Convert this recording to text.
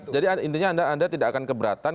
jadi intinya anda tidak akan keberatan